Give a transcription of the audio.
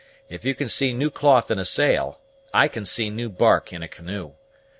If you can see new cloth in a sail, I can see new bark in a canoe.